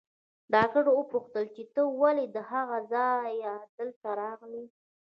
ډاکټر وپوښتل چې ته ولې له هغه ځايه دلته راغلې.